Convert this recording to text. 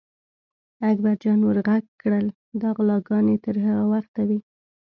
اکبر جان ور غږ کړل: دا غلاګانې تر هغه وخته وي.